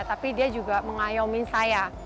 tapi dia juga mengayomi saya